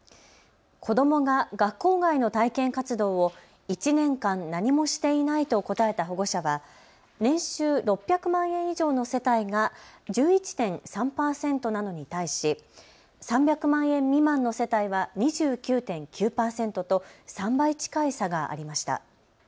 子どもが学校外の体験活動を１年間何もしていないと答えた保護者は年収６００万円以上の世帯が１１．３％なのに対し３００万円未満の世帯は２９．９％と３倍近い差がありました。